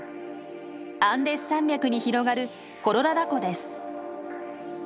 アンデス山脈に広がるコロラダ湖です。